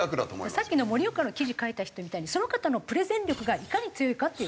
さっきの盛岡の記事書いた人みたいにその方のプレゼン力がいかに強いかっていう事ですよね。